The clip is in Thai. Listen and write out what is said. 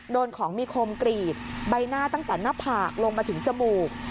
โดนของมีคมกรีดใบหน้าตั้งแต่หน้าผากลงมาถึงจมูก